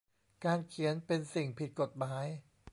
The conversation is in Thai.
การเขียนเป็นสิ่งผิดกฎหมาย